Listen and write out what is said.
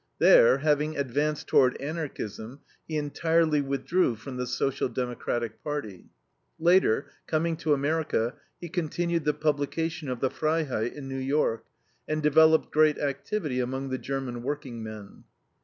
There, having advanced toward Anarchism, he entirely withdrew from the Social Democratic Party. Later, coming to America, he continued the publication of the FREIHEIT in New York, and developed great activity among the German workingmen.